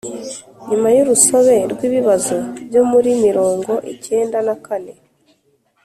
nyuma y'urusobe rw'ibibazo byo muri mirongo icyenda na kane